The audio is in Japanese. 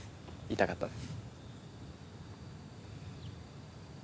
痛かったです。